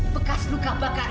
bekas luka bakar